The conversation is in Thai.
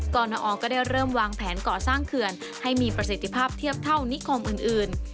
รณอก็ได้เริ่มวางแผนก่อสร้างเขื่อนให้มีประสิทธิภาพเทียบเท่านิคมอื่น